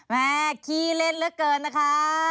แม่ขี้เล่นเหลือเกินนะคะ